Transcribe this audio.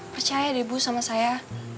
percaya deh bu sama saya